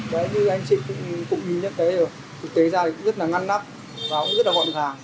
đấy như anh chị cũng nhìn nhé cái thực tế ra thì cũng rất là ngăn nắp và cũng rất là gọn gàng